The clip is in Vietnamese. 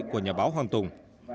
của nhà báo hoàng tùng